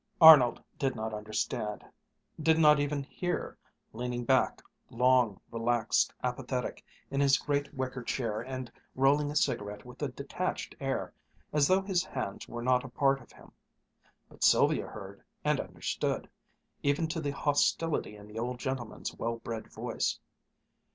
Arnold did not understand, did not even hear, leaning back, long, relaxed, apathetic, in his great wicker chair and rolling a cigarette with a detached air, as though his hands were not a part of him. But Sylvia heard, and understood, even to the hostility in the old gentleman's well bred voice.